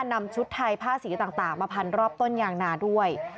นำชุดไทยผ้าสีต่างมาพันรอบต้นยางนาด้วย